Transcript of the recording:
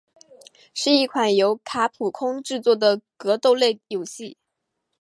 是一款由卡普空制作的格斗类游戏。